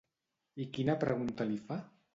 I quina pregunta li fa?